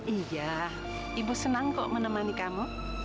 iya ibu senang kok menemani kamu